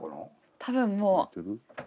多分もう。